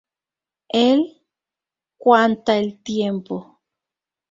Él cuanta el tiempo.